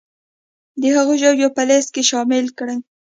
د هغو ژویو په لیست کې شامل کړي